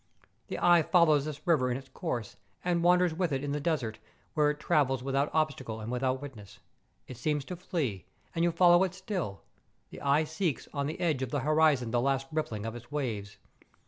The eye follows this river in its course, and wanders with it in the desert, where it travels without obstacle and without witness. It seems to flee, and you follow it still; the eye seeks on the edge of the horizon the last rippling of its waves.